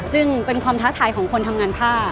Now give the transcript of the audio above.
ซึ่งเป็นความท้าทายของคนทำงานผ้า